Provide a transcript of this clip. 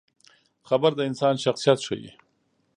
خبره د انسان شخصیت ښيي.